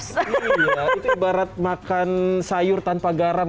sebarat makan sayur tanpa garam